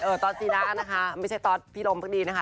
เออตอดสินานะคะไม่ใช่ตอดพีลมพี่ดีนะคะ